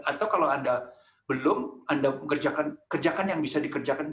atau kalau anda belum anda kerjakan yang bisa dikerjakan